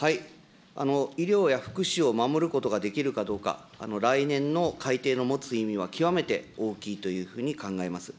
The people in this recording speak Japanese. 医療や福祉を守ることができるかどうか、来年の改定の持つ意味は極めて大きいというふうに考えます。